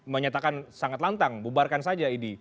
menyatakan sangat lantang bubarkan saja idi